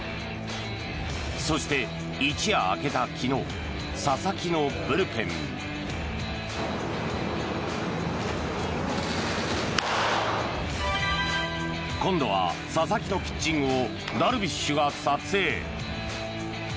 そして、一夜明けた昨日佐々木のブルペン。今度は佐々木のピッチングをダルビッシュが撮影。